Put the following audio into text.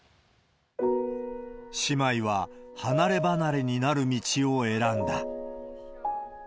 姉妹は、離れ離れになる道を選んだ。